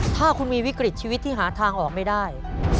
ถ้าคุณมีวิกฤตชีวิตที่หาทางออกไม่ได้